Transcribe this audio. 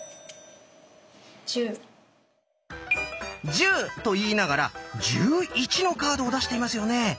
「１０」と言いながら「１１」のカードを出していますよね。